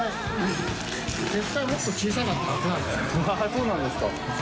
そうなんですか？